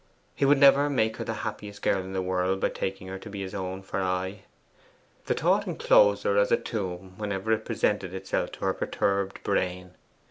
He would never make her the happiest girl in the world by taking her to be his own for aye. The thought enclosed her as a tomb whenever it presented itself to her perturbed brain.